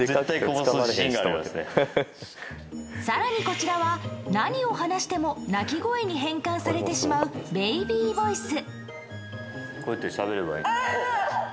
更にこちらは、何を話しても泣き声に変換されてしまうベイビーボイス。